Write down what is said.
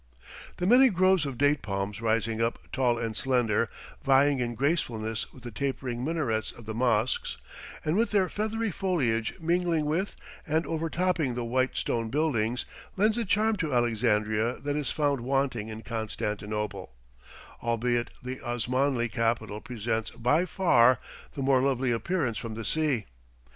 The many groves of date palms, rising up tall and slender, vying in gracefulness with the tapering minarets of the mosques, and with their feathery foliage mingling with and overtopping the white stone buildings, lends a charm to Alexandria that is found wanting in Constantinople albeit the Osmanli capital presents by far the more lovely appearance from the sea.